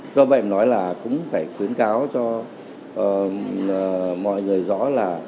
do vậy nói là cũng phải khuyến cáo cho mọi người rõ là